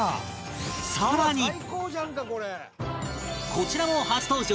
こちらも初登場！